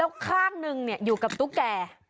แล้วข้างหนึ่งอยู่กับตุ๊กแก่